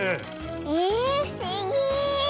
えふしぎ。